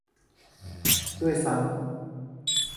ด้วยซ้ำ